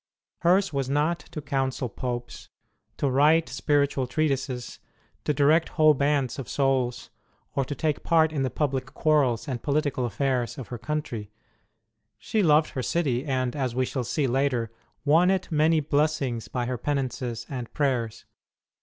Hers was not to counsel Popes, to write spiritual treatises, to direct whole bands of souls, or to take part in the public quarrels and political affairs of her country. She loved her city, and, as we shall see later, won it many blessings by her penances and prayers.